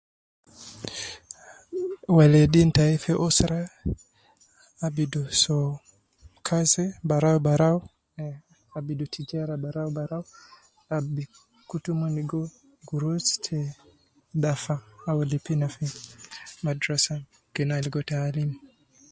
Waleidein tai fi usra, abidu soo kazi barau barau ,abidu tijara barau barau, ab bi kutu mon ligo gurus te dafa au lipa ina fi madrasa ke na ligo taalim